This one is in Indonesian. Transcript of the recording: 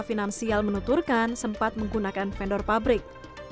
finansial menuturkan sempat menggunakan vendor pabrik